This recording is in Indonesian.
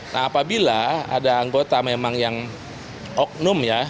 nah apabila ada anggota memang yang oknum ya